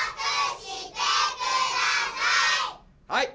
はい。